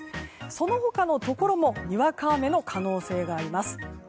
その他のところもにわか雨の可能性があります。